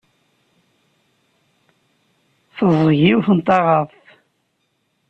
Teẓẓeg yiwet n taɣaḍt.